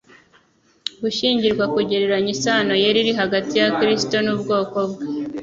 gushyingirwa kugereranya isano yera iri hagati ya Kristo n'ubwoko bwe.